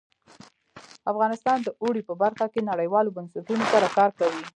افغانستان د اوړي په برخه کې نړیوالو بنسټونو سره کار کوي.